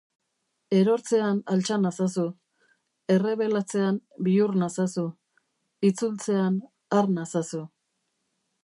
Erortzean altxa nazazu, errebelatzean bihur nazazu, itzultzean har nazazu.